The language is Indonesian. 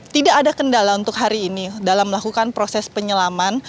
tidak ada kendala untuk hari ini dalam melakukan proses penyelaman